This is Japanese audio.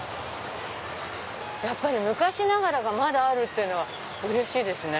やっぱり昔ながらがまだあるっていうのはうれしいですね。